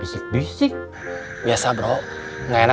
tidak ada apa apa